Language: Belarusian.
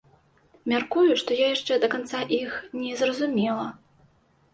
Мяркую, што я яшчэ да канца іх не зразумела.